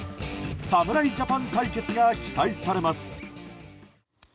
侍ジャパン対決が期待されます。